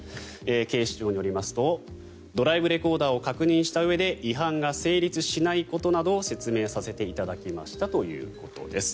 警視庁によりますとドライブレコーダーを確認したうえで違反が成立しないことなどを説明させていただきましたということです。